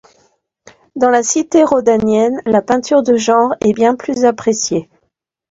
Dans la cité rhodanienne, la peinture de genre est bien plus appréciée.